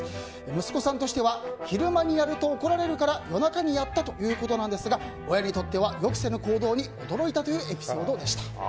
息子さんとしては昼間にやると怒られるから夜中にやったということなんですが親にとっては予期せぬ行動に驚いたというエピソードでした。